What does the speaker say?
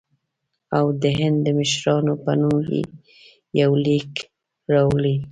او د هند د مشرانو په نوم یې یو لیک راوړی.